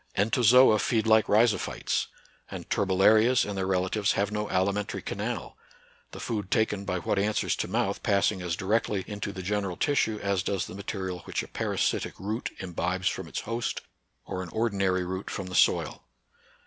Entozoa feed like rhizophytes; and turbellarias and their relatives have no alimentary canal, — the food taken by what answers to mouth passing as directly into the general tissue as does the 18 NATURAL SCIENCE AND RELIGION. material which a parasitic root imbibes from its host, or an ordinary root from the soil.